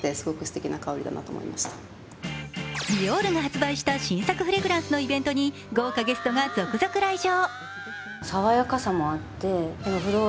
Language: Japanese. ディオールが発売した新作フレグランスのイベントに豪華ゲストが続々来場。